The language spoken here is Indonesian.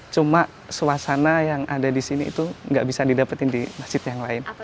cuma suasana yang ada di sini itu nggak bisa didapetin di masjid yang lain